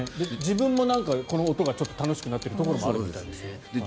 自分もこの音が楽しくなってるところがあるみたいです。